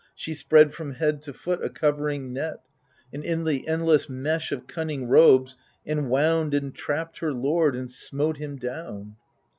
She spread from head to foot a covering net, And in the endless mesh of cunning robes En wound and trapped her lord, and smote him down.